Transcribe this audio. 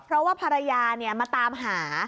เพราะว่าภรรยามาตามหา